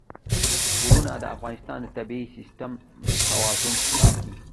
غرونه د افغانستان د طبعي سیسټم توازن ساتي.